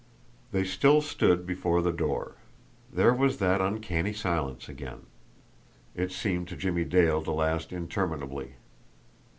They still stood before the door. There was that uncanny silence again it seemed to Jimmie Dale to last interminably.